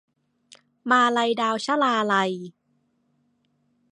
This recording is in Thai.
มาลัยดาว - ชลาลัย